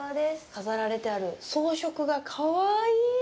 飾られてある装飾が、かわいい！